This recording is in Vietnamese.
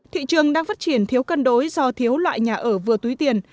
thị trường đang phát triển thiếu cân đối do thiếu loại nhà ở vừa túi tiền